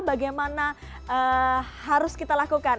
bagaimana harus kita lakukan